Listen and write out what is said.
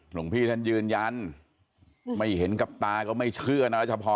หลวงพี่ท่านยืนยันไม่เห็นกับตาก็ไม่เชื่อนะรัชพร